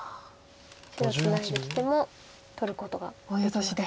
白ツナいできても取ることができます。